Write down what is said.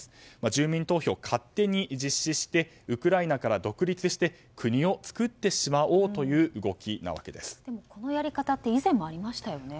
住民投票、勝手に実施してウクライナから独立して国を作ってしまおうというこのやり方って以前もありましたよね。